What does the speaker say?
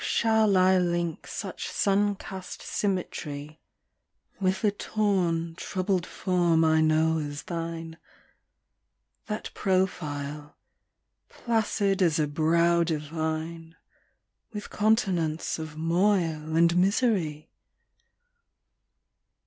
How shall I link such sun cast symmetry With the torn troubled form I know as thine, That profile, placid as a brow divine, With continents of moil and misery?